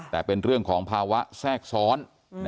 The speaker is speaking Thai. แต่เป็นเรื่องของภาวะแทรกซ้อน